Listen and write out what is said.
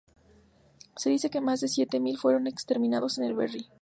Se dice que más de siete mil fueron exterminados en el Berry.